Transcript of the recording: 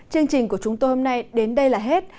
chương trình của chúng tôi hôm nay đến đây là hết